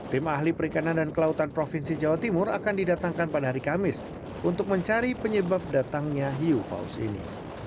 tim ahli perikanan dan kelautan provinsi jawa timur akan didatangkan pada hari kamis untuk mencari penyebab datangnya hiu paus ini